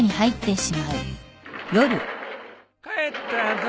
帰ったぞ。